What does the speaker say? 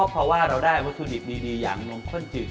เพราะว่าเราได้วัตถุดิบดีอย่างนมข้นจืด